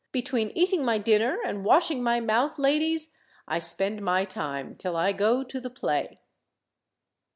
Between eating my dinner and washing my mouth, ladies, I spend my time till I go to the play."